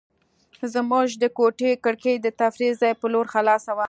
زموږ د کوټې کړکۍ د تفریح ځای په لور خلاصه وه.